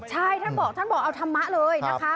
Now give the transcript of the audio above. ใช่ท่านบอกท่านบอกเอาธรรมะเลยนะคะ